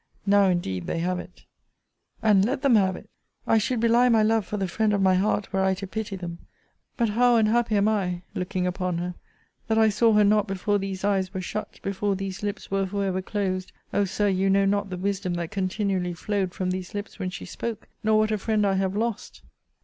Now indeed they have it And let them have it; I should belie my love for the friend of my heart, were I to pity them! But how unhappy am I [looking upon her] that I saw her not before these eyes were shut, before these lips were for ever closed! O Sir, you know not the wisdom that continually flowed from these lips when she spoke! Nor what a friend I have lost!